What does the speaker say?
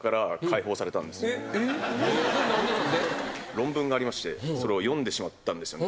論文がありましてそれを読んでしまったんですよね。